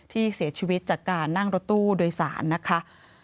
ที่เสียชีวิตจากการนั่งรถตู้โดยสารนะคะ